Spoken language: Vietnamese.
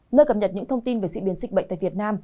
nơi cập nhật những thông tin về diễn biến dịch bệnh tại việt nam